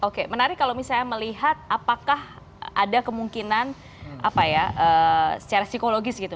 oke menarik kalau misalnya melihat apakah ada kemungkinan apa ya secara psikologis gitu